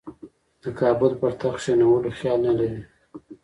د کابل پر تخت کښېنولو خیال نه لري.